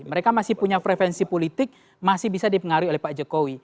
mereka masih punya frevensi politik masih bisa dipengaruhi oleh pak jokowi